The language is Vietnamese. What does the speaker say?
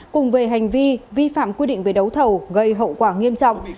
cùng về hành vi vi phạm quy định về đấu thầu gây hậu quả nghiêm trọng